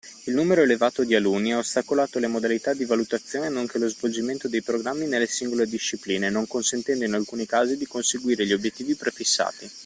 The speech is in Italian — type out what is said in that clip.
Il numero elevato di alunni ha ostacolato le modalità di valutazione nonché lo svolgimento dei programmi nelle singole discipline, non consentendo in alcuni casi di conseguire gli obiettivi prefissati.